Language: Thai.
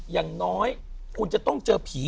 อย่างน้อยคุณจะต้องเจอผี